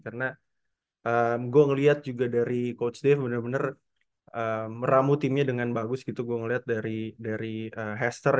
karena gue ngeliat juga dari coach dave bener bener meramu timnya dengan bagus gitu gue ngeliat dari hester